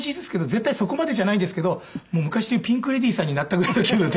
絶対そこまでじゃないですけど昔でいうピンク・レディーさんになったぐらいの気分で。